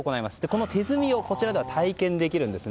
この手摘みをこちらで体験できます。